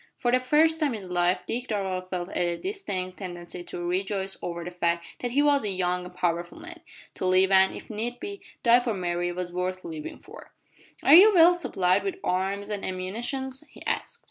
For the first time in his life Dick Darvall felt a distinct tendency to rejoice over the fact that he was a young and powerful man! To live and, if need be, die for Mary was worth living for! "Are you well supplied with arms an' ammunition?" he asked.